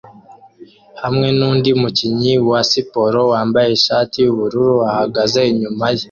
hamwe nundi mukinnyi wa siporo wambaye ishati yubururu ahagaze inyuma ye